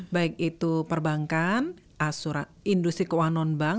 baik itu perbankan industri keuangan non bank